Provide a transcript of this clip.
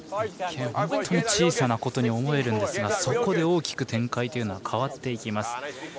本当に小さなことに思えるんですがそこで大きく展開というのは変わっていきます。